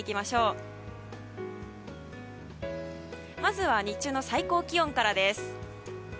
まずは日中の最高気温からです。